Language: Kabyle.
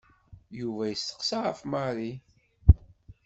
Yuba yesteqsa ɣef Mary.